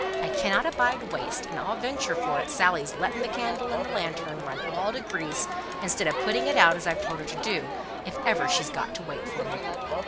I cannot abide waste; and I'll venture for it Sally's letting the candle in the lantern run all to grease, instead of putting it out, as I've told her to do, if ever she's got to wait for me."